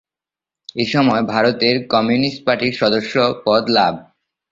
এ-সময়ে ভারতের কমিউনিস্ট পার্টির সদস্যপদ লাভ।